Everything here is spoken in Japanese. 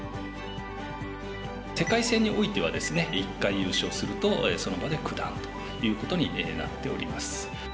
世界戦においてはですね１回優勝するとその場で九段ということになっております。